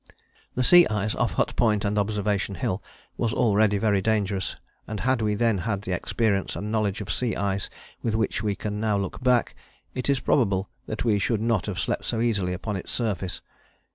The sea ice off Hut Point and Observation Hill was already very dangerous, and had we then had the experience and knowledge of sea ice with which we can now look back, it is probable that we should not have slept so easily upon its surface.